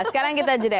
sekarang kita jeda